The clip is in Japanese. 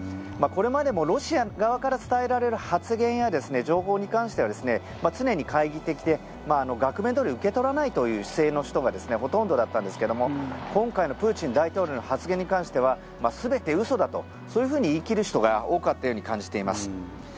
これまでもロシア側から伝えられる発言や情報に関してはですね常に懐疑的で額面どおり受け取らないという姿勢の人がほとんどだったんですけども今回のプーチン大統領の発言に関しては全て嘘だとそういうふうに言い切る人が多かったように感じています。